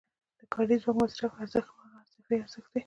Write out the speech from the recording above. د کاري ځواک مصرفي ارزښت هماغه اضافي ارزښت دی